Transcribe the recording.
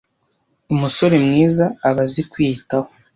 Umusore mwiza aba azi kwiyitaho